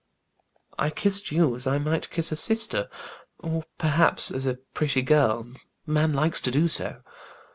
"I kissed you as I might kiss a sister. Or perhaps as a pretty girl; man likes to do so.